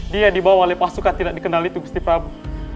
dia dibawa oleh pasukan tidak dikenal itu gusti prabu